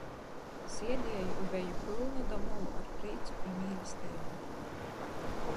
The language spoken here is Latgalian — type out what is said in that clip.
Siedieju i beju pylna da molu ar prīcu i mīlesteibu.